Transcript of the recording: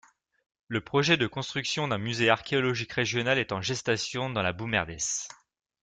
Le projet de construction d'un musée archéologique régional est en gestation dans la Boumerdès.